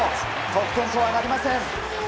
得点とはなりません。